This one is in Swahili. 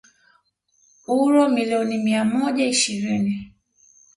uro milioni mia moja ishirini